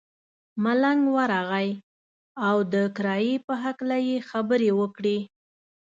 ملنګ ورغئ او د کرایې په هکله یې خبرې وکړې.